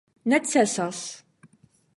necesas